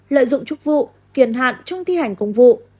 lợi dụng trục vụ quyền hạn trong thi hành công vụ